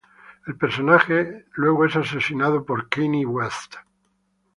El personaje es luego asesinado por Kanye West.